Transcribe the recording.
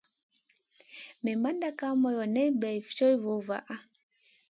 Maimanda Kay moyo nen bey co vo vaha.